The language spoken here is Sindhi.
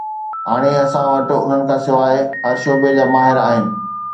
هاڻي اسان وٽ انهن کان سواءِ هر شعبي جا ماهر آهن